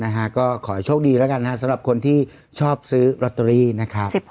อ่านะคะก็ขอโชคดีนะฮะสำหรับคนที่ชอบซื้อร์ตเตอรี่นะครับ